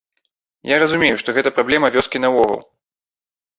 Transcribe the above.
Я разумею, што гэта праблема вёскі наогул.